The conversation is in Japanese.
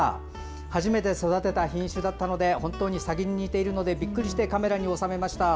初めて育てた品種だったので本当にサギに似ているのでびっくりしてカメラに収めました。